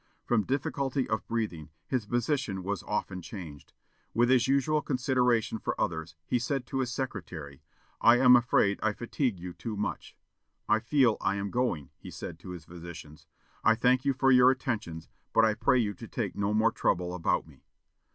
From difficulty of breathing, his position was often changed. With his usual consideration for others, he said to his secretary, "I am afraid I fatigue you too much." "I feel I am going," he said to his physicians. "I thank you for your attentions, but I pray you to take no more trouble about me."